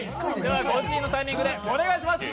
ご自身のタイミングでお願いします。